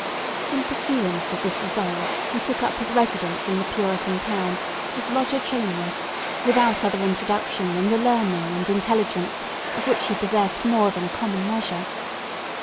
In pursuance of this resolve, he took up his residence in the Puritan town as Roger Chillingworth, without other introduction than the learning and intelligence of which he possessed more than a common measure.